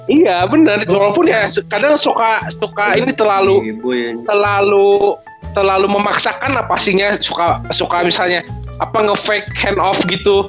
iya bener walaupun ya kadang suka ini terlalu memaksakan lah pastinya suka misalnya nge fake hand of gitu